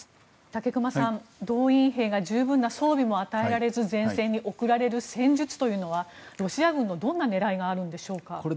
武隈さん動員兵が十分な装備も与えられず前線に送られる戦術というのはロシア軍のどんな狙いがあるんでしょうか？